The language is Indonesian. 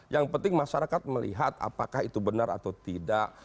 yang penting masyarakat melihat apakah itu benar atau tidak